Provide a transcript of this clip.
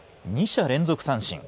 ２者連続三振。